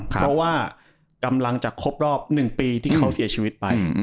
เพราะว่ากำลังจะครบรอบ๑ปีที่เขาเสียชีวิตไป